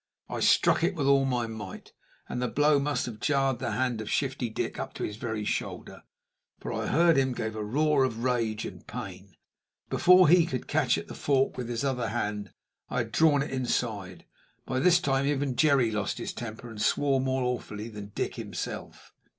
I struck at it with all my might, and the blow must have jarred the hand of Shifty Dick up to his very shoulder, for I heard him give a roar of rage and pain. Before he could catch at the fork with his other hand I had drawn it inside. By this time even Jerry lost his temper and swore more awfully than Dick himself.